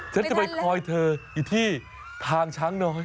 ฉันจะไปคอยเธออยู่ที่ทางช้างน้อย